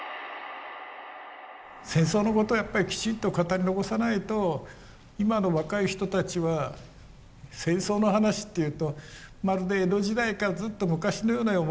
戦争のことをやっぱりきちんと語り残さないと今の若い人たちは戦争の話って言うとまるで江戸時代かずっと昔のように思う。